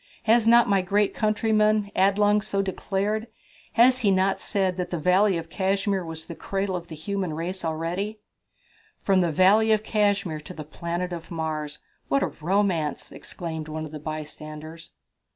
Has not my great countryman, Adelung, so declared? Has he not said that the Valley of Cashmere was the cradle of the human race already?" "From the Valley of Cashmere to the planet Mars what a romance!" exclaimed one of the bystanders.